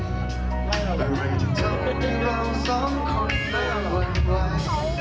อะไรจะทำให้เราสองคนมาหวั่งไหว